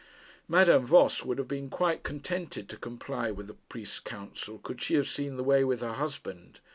Madame Voss would have been quite contented to comply with the priest's counsel, could she have seen the way with her husband.